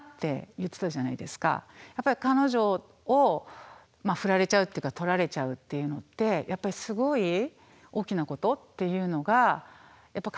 やっぱり彼女を振られちゃうとか取られちゃうっていうのってやっぱりすごい大きなことっていうのが感じられるなと思ったし。